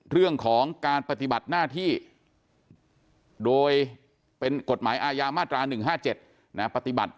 เรื่องของการปฏิบัติหน้าที่โดยเป็นกฎหมายอาญามาตรา๑๕๗ปฏิบัติ